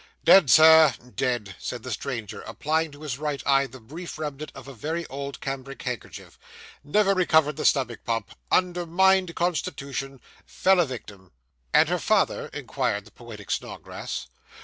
'Dead, sir dead,' said the stranger, applying to his right eye the brief remnant of a very old cambric handkerchief. 'Never recovered the stomach pump undermined constitution fell a victim.' 'And her father?' inquired the poetic Snodgrass.